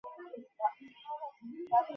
ফসল দেখতে সুন্দর।